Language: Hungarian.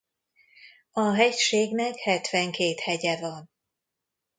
A hegységnek hetvenkét hegye van.